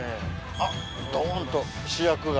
あっドンと主役が。